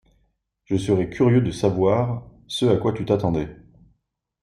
Je serais curieux de savoir ce à quoi tu t’attendais.